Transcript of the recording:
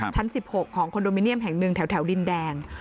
ชั้น๑๖ของคอนโดมิเนียมแห่งหนึ่งแถวดินแดง